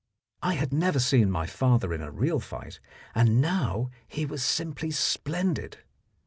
I had never seen my father in a real fight, and now he was simply splendid.